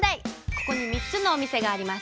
ここに３つのお店があります。